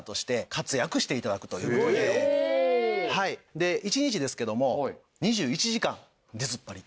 で１日ですけども２１時間出ずっぱり。